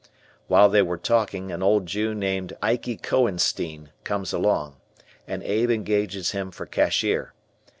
While they are talking, an old Jew named Ikey Cohenstein comes along, and Abe engages him for cashier.